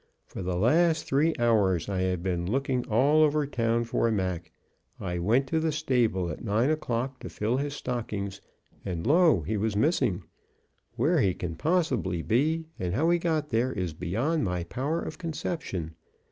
For the last three hours I have been looking all over town for Mac. I went to the stable at nine o'clock to fill his stockings, and lo! he was missing. Where he can possibly be and how he got there is beyond my power of conception.